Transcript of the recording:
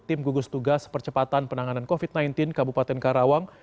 tim gugus tugas percepatan penanganan covid sembilan belas kabupaten karawang